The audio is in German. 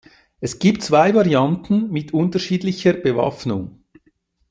Es gibt zwei Varianten mit unterschiedlicher Bewaffnung.